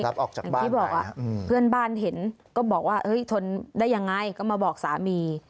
อย่างที่บอกเพื่อนบ้านเห็นก็บอกว่าทนได้ยังไงก็มาบอกสามี